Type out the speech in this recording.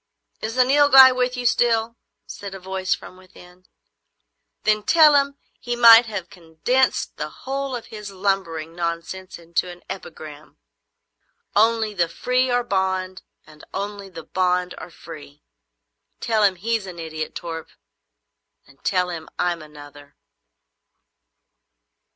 "Is the Nilghai with you still?" said a voice from within. "Then tell him he might have condensed the whole of his lumbering nonsense into an epigram: "Only the free are bond, and only the bond are free." Tell him he's an idiot, Torp, and tell him I'm another."